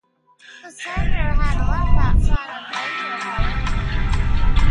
The senator had a life outside of radio, however.